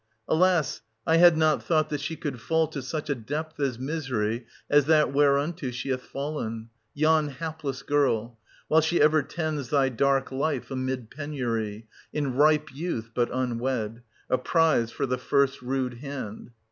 Alas, I had not thought that she could fall to such a depth of misery as that whereunto she hath 750 fallen — yon hapless girl! — while she ever tends thy dark life amid penury, — in ripe youth, but unwed, — a prize for the first rude hand.